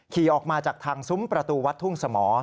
ขี่ออกมาจากทางซุ้มประตูวัดทุ่งสม